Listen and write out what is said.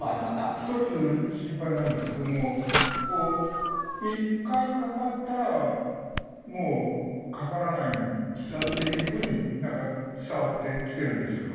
一つ心配なんですけども１回かかったらもうかからないんだっていう風になんか伝わってきてるんですけど。